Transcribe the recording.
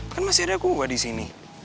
kan masih ada kubah di sini